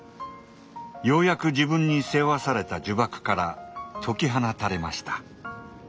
ようやく自分に背負わされた呪縛から解き放たれました。